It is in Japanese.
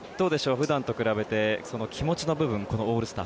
普段と比べて気持ちの部分、このオールスター